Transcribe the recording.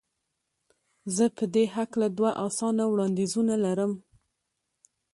زه په دې هکله دوه اسانه وړاندیزونه لرم.